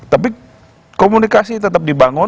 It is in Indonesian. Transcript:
tapi komunikasi tetap dibangun